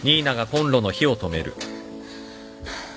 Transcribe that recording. ハァ。